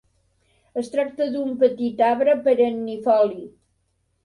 Es tracta d'un petit arbre perennifoli.